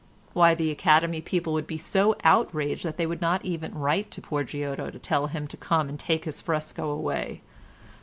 Why, the Academy people would be so outraged that they would not even write to poor Giotto to tell him to come and take his fresco away.